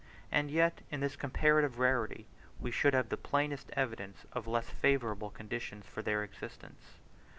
and yet in this comparative rarity, we should have the plainest evidence of less favourable conditions for their existence.